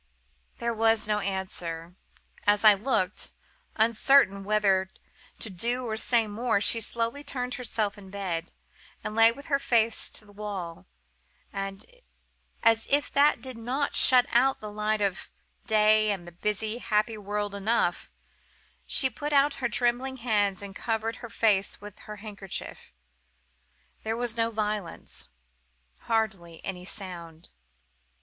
"There was no answer. As I looked, uncertain whether to do or say more, she slowly turned herself in bed, and lay with her face to the wall; and, as if that did not shut out the light of day and the busy, happy world enough, she put out her trembling hands, and covered her face with her handkerchief. There was no violence: hardly any sound.